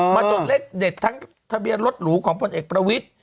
จดเลขเด็ดทั้งทะเบียนรถหรูของพลเอกประวิทธิ